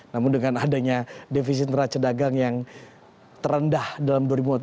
namun dengan adanya defisit neraca dagang yang terendah dalam dua ribu lima belas